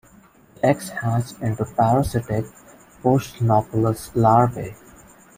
The eggs hatch into parasitic postnauplius larvae.